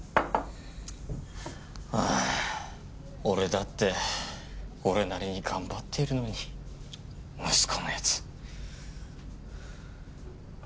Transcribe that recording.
俺だって俺なりに頑張ってるのに息子のやつ。